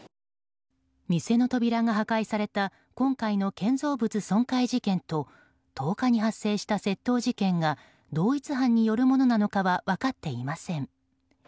店の扉が破壊された今回の建造物損壊事件と１０日に発生した窃盗事件が同一犯によるものなのかは分かっていません。